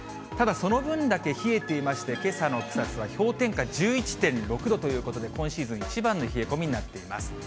ただ、その分だけ冷えていまして、けさの草津は氷点下１１．６度ということで、今シーズン一番の冷え込みになっています。